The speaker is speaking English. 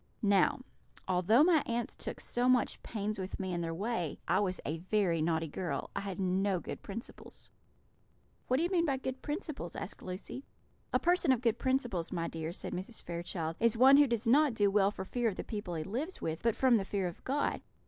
"Now, although my aunts took so much pains with me in their way, I was a very naughty girl; I had no good principles." "What do you mean by good principles?" asked Lucy. "A person of good principles, my dear," said Mrs. Fairchild, "is one who does not do well for fear of the people he lives with, but from the fear of God.